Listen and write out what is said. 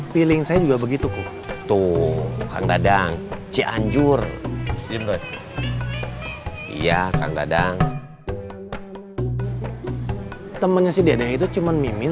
pilih saya juga begitu tuh kang dadang cianjur iya kang dadang temennya si dede itu cuman mimin